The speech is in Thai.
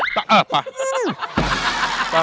เออไป